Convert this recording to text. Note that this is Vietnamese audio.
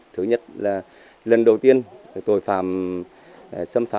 thứ nhất là lần đầu tiên tội phạm xâm phạm